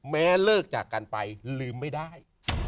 แม้เลิกจากกันไปลืมไม่ได้